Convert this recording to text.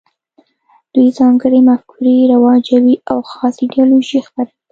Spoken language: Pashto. دوی ځانګړې مفکورې رواجوي او خاصه ایدیالوژي خپروي